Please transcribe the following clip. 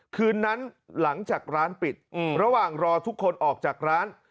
คืนนั้นหลังจากร้านปิดระหว่างรอทุกคนออกจากร้าน